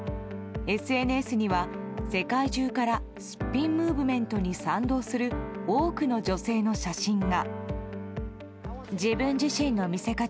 ＳＮＳには世界中からすっぴんムーブメントに賛同する多くの女性の写真が。